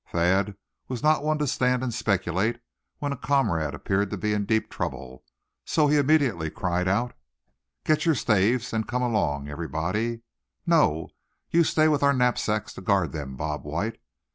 Thad was not the one to stand and speculate, when a comrade appeared to be in deep trouble, so he immediately cried out: "Get your staves, and come along, everybody; no; you stay with our knapsacks, to guard them, Bob White.